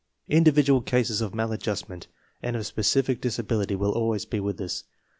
Individual cases of maladjustment and of specific dis ability will always be with us.